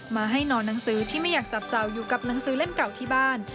มาให้นอนหนังสือที่ไม่อยากจับเจ้าอยู่กับหนังสือเล่มเก่าที่บ้าน